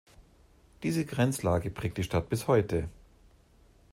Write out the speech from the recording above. Diese Grenzlage prägt die Stadt bis heute.